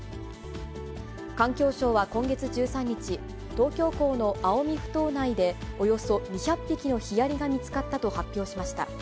環境省は今月１３日、東京港の青海ふ頭内で、およそ２００匹のヒアリが見つかったと発表しました。